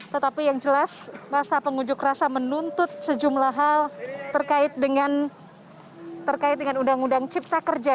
tetapi yang jelas masa pengunjuk rasa menuntut sejumlah hal terkait dengan undang undang cipta kerja